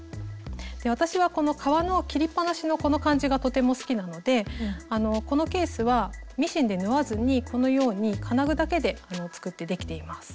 で私はこの革の切りっぱなしのこの感じがとても好きなのでこのケースはミシンで縫わずにこのように金具だけで作ってできています。